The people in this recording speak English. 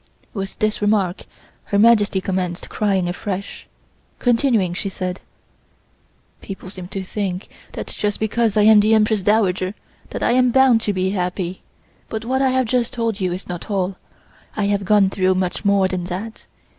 With this remark Her Majesty commenced crying afresh. Continuing, she said: "People seem to think that just because I am the Empress Dowager that I am bound to be happy, but what I have just told you is not all. I have gone through much more than that.